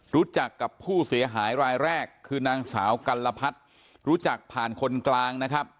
รู้จักกับผู้เสียหายรายแรกคือนางสาวกัลพัฒน์รู้จักผ่านคนกลางนะครับ